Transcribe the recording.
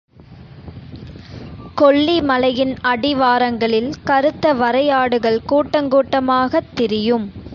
கொல்லி மலையின் அடிவாரங்களில் கருத்த வரையாடுகள் கூட்டங்கூட்டமாகத் திரியும்.